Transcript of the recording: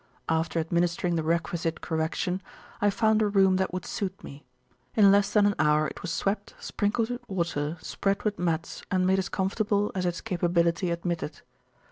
After administering the requisite correction, I found a room that would suit me. In less than an hour it was swept, sprinkled with water, spread with mats, and made as comfortable as its capability admitted.